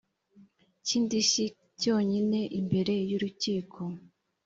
cy indishyi cyonyine imbere y urukiko